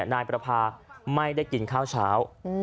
นายประพาไม่ได้กินข้าวเช้า